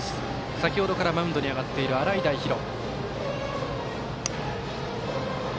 先ほどからマウンドに上がっている洗平比呂。